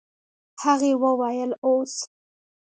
هغې وويل اوس.